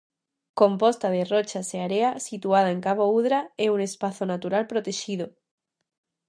Composta de rochas e area, situada en Cabo Udra, é un Espazo Natural protexido.